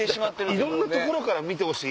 いろんな所から見てほしい。